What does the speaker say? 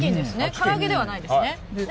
唐揚げではないですね。